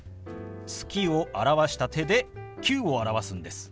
「月」を表した手で「９」を表すんです。